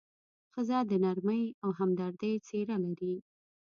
ښځه د نرمۍ او همدردۍ څېره لري.